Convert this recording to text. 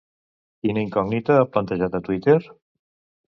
Quina incògnita ha plantejat a Twitter?